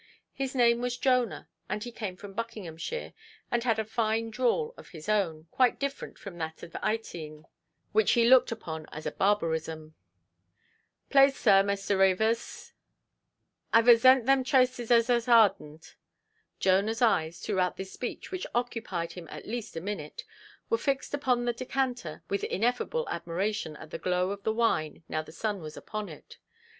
His name was Jonah, and he came from Buckinghamshire, and had a fine drawl of his own, quite different from that of Ytene, which he looked upon as a barbarism. "Plase, sir, Maister Reevers ave a zent them traases as us hardered". Jonahʼs eyes, throughout this speech, which occupied him at least a minute, were fixed upon the decanter, with ineffable admiration at the glow of the wine now the sun was upon it.